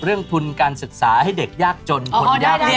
เรื่องทุนการศึกษาให้เด็กยากจนคนยากใหม่